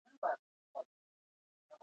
د علي ډېری کارونه خامي لري.